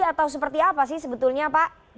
atau seperti apa sih sebetulnya pak